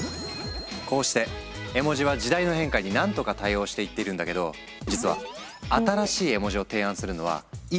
こうして絵文字は時代の変化に何とか対応していってるんだけど実は新しい絵文字を提案するのは一般の人でも可能なの。